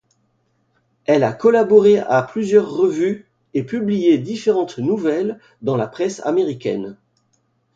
Elle a collaboré à plusieurs revues et publié différentes nouvelles dans la presse américaine.